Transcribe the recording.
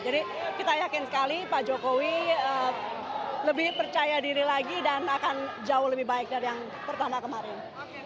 jadi kita yakin sekali pak jokowi lebih percaya diri lagi dan akan jauh lebih baik dari yang pertama kemarin